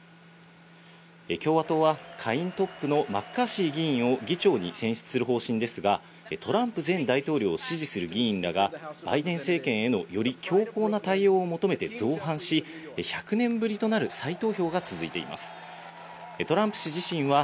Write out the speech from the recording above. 共和党は下院トップのマッカーシー議員を議長に選出する方針ですが、トランプ前大統領を支持する議員らがバイデン政権への、より強硬な対応を求めて造反し、１００年ぶりとなる再投票が続いています。